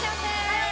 はい！